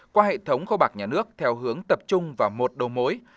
qua hệ thống kho bạc nhà nước theo hướng tập trung vào một đầu mối